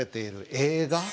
映画？